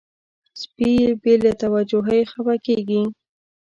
سپي له بې توجهۍ خپه کېږي.